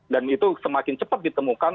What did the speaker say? dan itu semakin cepat ditemukan